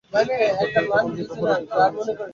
রাত্রি তখন দুই প্রহর অতীত হইয়া গিয়াছে।